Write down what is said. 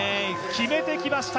決めてきました。